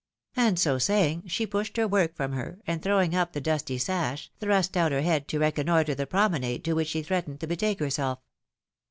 And so saying, she pushed her work from her, and throwing up the dusty sash, thrust out her head to reconnoitre the promenade to which she threatened to betake herself.